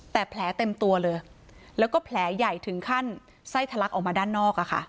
แต่แผลเต็มตัวเลยแล้วก็แผลใหญ่ถึงขั้นไส้ทะลักออกมาด้านนอก